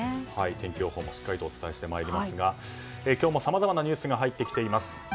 天気予報もしっかりお伝えしてまいりますが今日もさまざまなニュースが入ってきています。